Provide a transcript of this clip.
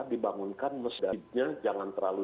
dibangunkan mesin jahitnya jangan terlalu